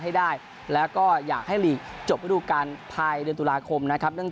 ให้ได้แล้วก็อยากให้ลีกจบระดูการภายเดือนตุลาคมนะครับเรื่อง